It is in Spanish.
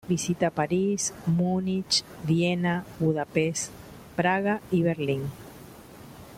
Visita París, Múnich, Viena, Budapest, Praga y Berlín.